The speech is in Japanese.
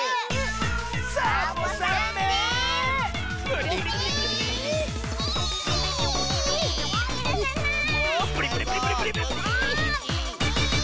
プリプリプリプリ！